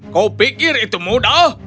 kau pikir itu mudah